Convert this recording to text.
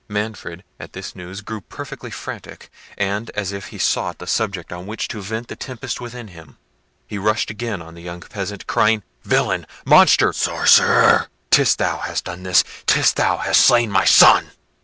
Manfred, at this news, grew perfectly frantic; and, as if he sought a subject on which to vent the tempest within him, he rushed again on the young peasant, crying— "Villain! Monster! Sorcerer! 'tis thou hast done this! 'tis thou hast slain my son!"